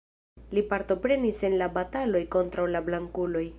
Li partoprenis en la bataloj kontraŭ la blankuloj.